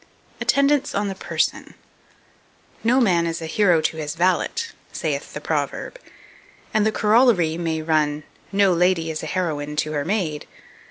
2234. Attendants on the Person. "No man is a hero to his valet," saith the proverb; and the corollary may run, "No lady is a heroine to her maid."